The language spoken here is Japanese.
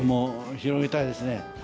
広げたいですね。